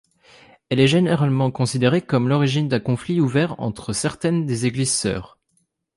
Elle est généralement considérée comme l'origine d'un conflit ouvert entre certaines des églises sœurs.